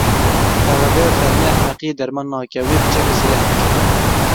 Perwerdeya fermî, ehmeqiyê derman nake, wê bi çek û sîleh dike.